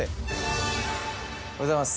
おはようございます。